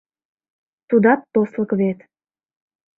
Тудат тослык вет...